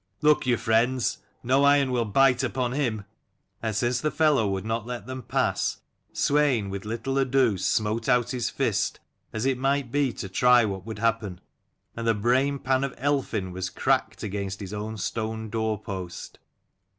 Look you, friends, no iron will bite upon him." And since the fellow would not let them pass, Swein with little ado smote out his fist, as it might be to try what would happen : and the brainpan of Elphin was cracked against his own stone door post.